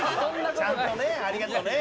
ちゃんとねありがとね。